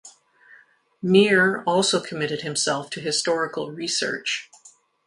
Mir also committed himself to historical research.